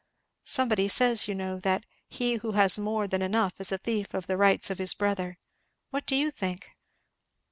Somebody says, you know, that 'he who has more than enough is a thief of the rights of his brother,' what do you think?"